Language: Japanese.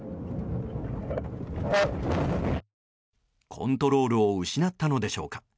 コントロールを失ったのでしょうか。